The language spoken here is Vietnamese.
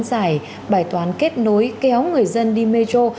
giải bài toán kết nối kéo người dân đi metro